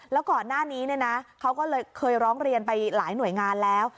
แล้วก่อนหน้านี้เขาก็เลยเคยร้องเรียนไปหลายหน่วยงานแล้ว